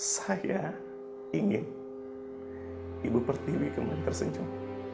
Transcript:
saya ingin ibu pertiwi kemudian tersenyum